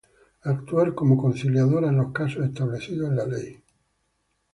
Actuar como conciliadora en los casos establecidos en la ley.